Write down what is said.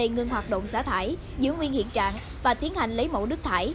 ngưng hoạt động xả thải giữ nguyên hiện trạng và tiến hành lấy mẫu nước thải